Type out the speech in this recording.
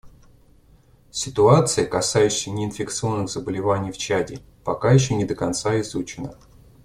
Ситуация, касающаяся неинфекционных заболеваний в Чаде, пока еще не до конца изучена.